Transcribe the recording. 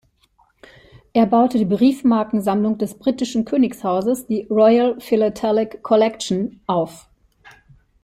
Er baute die Briefmarkensammlung des britischen Königshauses, die "Royal Philatelic Collection," auf.